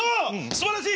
すばらしい！